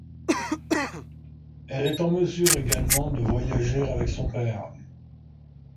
Elle est en mesure également de voyager avec son père.